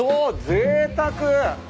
ぜいたく。